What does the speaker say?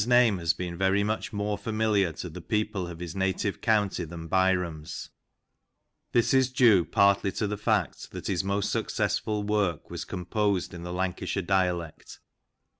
240 LANCASHIRE WORTHIES. Tim Bobbin's name has been very much more familiar to the people of his native county than Byrom's. This is clue partly to the fact that his most successful work was com posed in the Lancashire dialect.